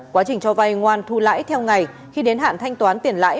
quá trình cho vay ngoan thu lãi theo ngày khi đến hạn thanh toán tiền lãi